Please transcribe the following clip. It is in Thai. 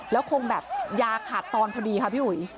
แล้วคงแบบยาขาดตอนพอดีค่ะพี่อุ๋ย